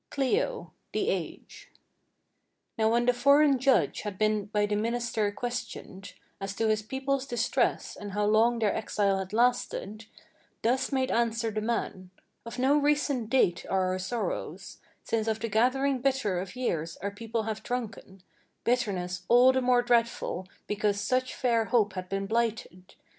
CLIO THE AGE Now when the foreign judge had been by the minister questioned As to his people's distress, and how long their exile had lasted, Thus made answer the man: "Of no recent date are our sorrows; Since of the gathering bitter of years our people have drunken, Bitterness all the more dreadful because such fair hope had been blighted.